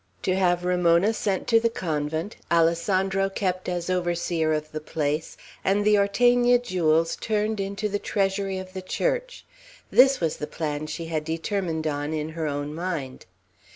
To have Ramona sent to the convent, Alessandro kept as overseer of the place, and the Ortegna jewels turned into the treasury of the Church, this was the plan she had determined on in her own mind.